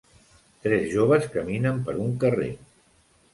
Tres joves caminen per un carrer.